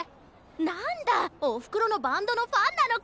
なんだおふくろのバンドのファンなのか。